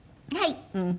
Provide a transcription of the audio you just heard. はい。